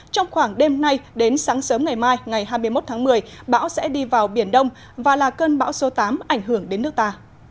trong khoảng đêm nay đến sáng sớm ngày mai ngày hai mươi một tháng một mươi bão sẽ đi vào biển đông và là cơn bão số tám ảnh hưởng đến nước ta